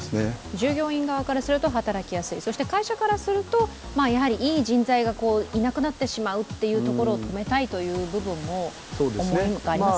従業員側からすると働きやすい、会社側からするといい人材がいなくなってしまうというところを止めたいという部分もありますもんね。